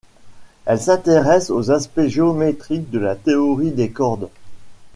Elle s'intéresse aux aspects géométriques de la théorie des cordes.